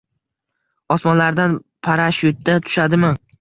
Osmonlardan parashyutda tushadimi?